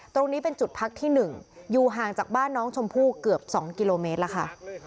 ตรงนี้เป็นจุดพักที่๑อยู่ห่างจากบ้านน้องชมพู่เกือบ๒กิโลเมตรแล้วค่ะ